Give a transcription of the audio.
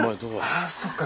あそっか。